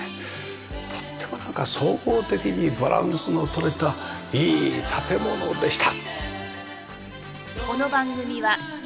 とっても総合的にバランスのとれたいい建物でした。